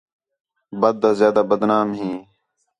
بَد آ زیادہ بدنام ہیں